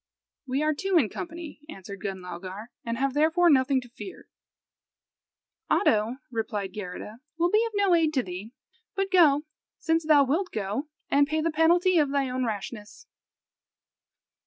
"We are two in company," answered Gunlaugar, "and have therefore nothing to fear." "Oddo," replied Geirrida, "will be of no aid to thee; but go, since thou wilt go, and pay the penalty of thy own rashness."